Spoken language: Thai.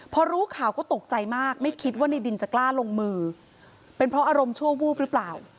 พอรู้ข่าวก็ตกใจมากไม่คิดว่าในดินจะกล้าลงมือเป็นเพราะอารมณ์ชั่ววูบหรือเปล่า